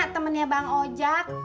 temennya bang ojak